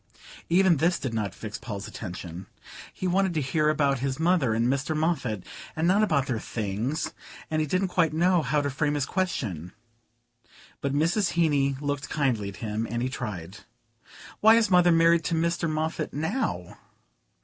'" Even this did not fix Paul's attention. He wanted to hear about his mother and Mr. Moffatt, and not about their things; and he didn't quite know how to frame his question. But Mrs. Heeny looked kindly at him and he tried. "Why is mother married to Mr. Moffatt now?"